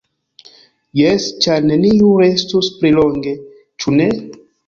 Jes, ĉar neniu restus pli longe, ĉu ne?